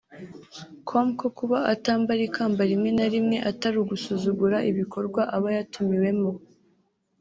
com ko kuba atambara ikamba rimwe na rimwe atari ugusuzugura ibikorwa aba yatumiwemo